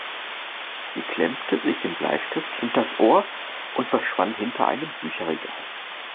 Sie klemmte sich den Bleistift hinters Ohr und verschwand hinter einem Bücherregal.